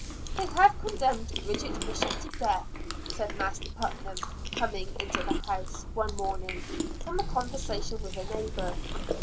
"They have condemned Bridget Bishop to death," said Master Putnam, coming into the house one morning from a conversation with a neighbor.